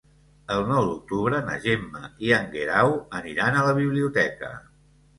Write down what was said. El nou d'octubre na Gemma i en Guerau aniran a la biblioteca.